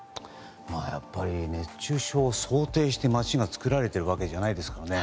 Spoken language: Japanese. やはり、熱中症を想定して街が作られてるわけじゃないですからね。